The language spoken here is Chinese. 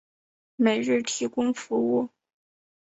每日提供服务。